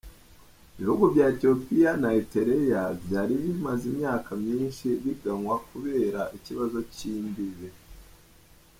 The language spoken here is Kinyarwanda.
Ibihugu vya Etiyopiya na Eritreya vyari bimaze imyaka myinshi biganwa kubera ikibazo c'imbibe.